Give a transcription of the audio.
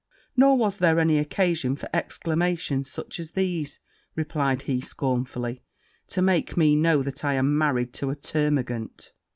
'Nor was there any occasion for exclamations such as these,' replied he, scornfully, 'to make me know that I am married to a termagant!'